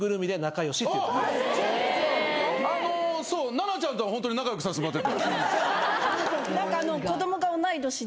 ＮＡＮＡちゃんとはホントに仲良くさせてもらって。